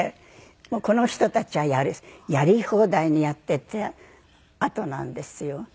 もうこの人たちはやり放題にやってたあとなんですよ。